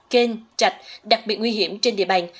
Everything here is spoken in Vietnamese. kênh trạch đặc biệt nguy hiểm trên địa bàn